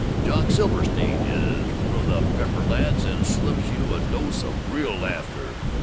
Jock Silbersteen is one of the pepper lads and slips you a dose of real laughter.